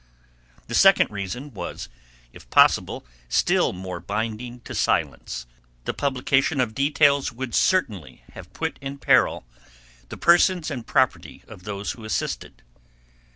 The second reason was, if possible, still more binding to silence: the publication of details would certainly have put in peril the persons and property of those who assisted.